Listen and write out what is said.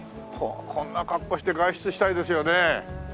こんな格好して外出したいですよね。